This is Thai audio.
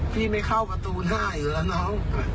พี่ไม่เข้าประตู๕อยู่แล้วน้อง